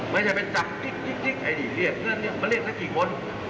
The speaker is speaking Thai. ไม่ใช่ไปจับติ๊กไอ้เหลี่ยเพื่อนมาเล่นสักกี่คน